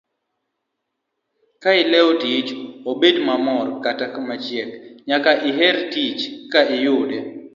Kaileo tich, obed mabor kata machiek, nyaka iher tich ka iyude.